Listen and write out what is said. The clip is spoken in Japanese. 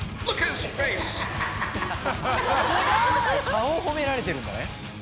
顔を褒められてるんだね。